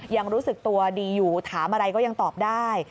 ยังรู้สึกตัวดีอยู่ถามอะไรก็ยังตอบได้